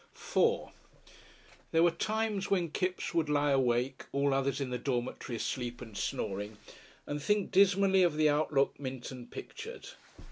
§4 There were times when Kipps would lie awake, all others in the dormitory asleep and snoring, and think dismally of the outlook Minton pictured.